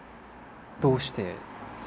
どうして？